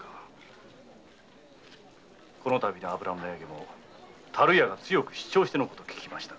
このたびの油の値上げも樽屋が強く主張してのことと聞きました。